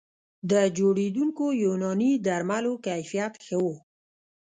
د جوړېدونکو یوناني درملو کیفیت ښه و